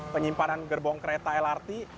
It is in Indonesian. penyimpanan gerbong kereta lrt